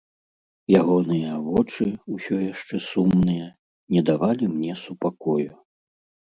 Ягоныя вочы, усё яшчэ сумныя, не давалі мне супакою.